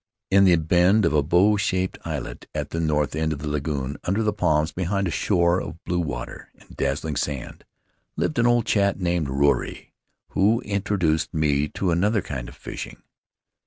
"In the bend of a bow shaped islet at the north end of the lagoon, under the palms behind a shore of blue water and dazzling sand, lived an old chap named Ruri, who introduced me to another kind of fishing.